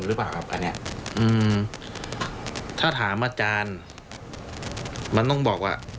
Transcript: หรือเปล่าครับอันเนี้ยอืมถ้าถามอาจารย์มันต้องบอกว่า